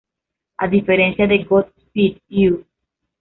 A diferencia de Godspeed You!